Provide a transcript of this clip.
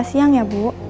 jam sebelas siang ya bu